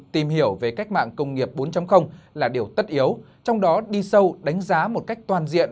tìm hiểu về cách mạng công nghiệp bốn là điều tất yếu trong đó đi sâu đánh giá một cách toàn diện